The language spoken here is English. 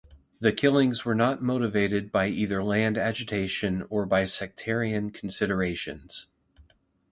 The killings were not motivated by either land agitation or by sectarian considerations.